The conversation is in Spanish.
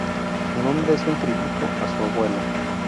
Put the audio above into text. Su nombre es un tributo a su abuelo.